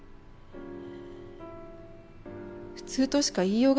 普通としか言いようがないんですよ